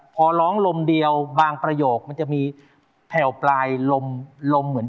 พอร้องลมเดียวบางประโยคมันจะมีแผ่วปลายลมลมเหมือน